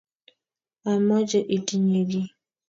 amoche itinye kii.